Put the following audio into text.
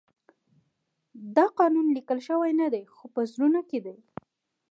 دا قانون لیکل شوی نه دی خو په زړونو کې دی.